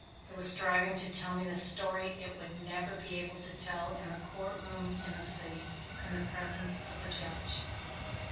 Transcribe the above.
It was striving to tell me the story it would never be able to tell in the courtroom in the city, in the presence of the judge.